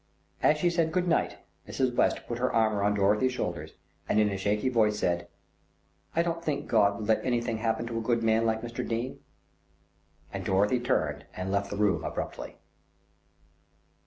As she said "Good night," Mrs. West put her arm round Dorothy's shoulders, and in a shaky voice said: "I don't think God would let anything happen to a good man like Mr. Dene;" and Dorothy turned and left the room abruptly.